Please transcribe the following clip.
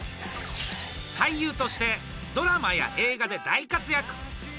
俳優としてドラマや映画で大活躍！